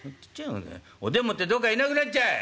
おでん持ってどっかいなくなっちゃえ！